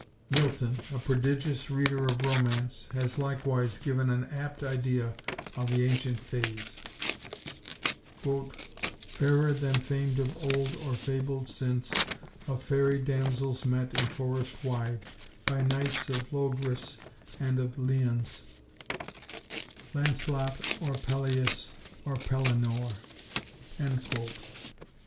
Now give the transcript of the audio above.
Milton, a prodigious reader of romance, has, likewise, given an apt idea of the ancient fays— "Fairer than famed of old, or fabled since Of fairy damsels met in forest wide, By knights of Logres, and of Liones, Lancelot or Pelleas, or Pellenore."